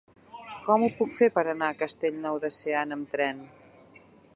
Com ho puc fer per anar a Castellnou de Seana amb tren?